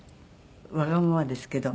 わがままですけど。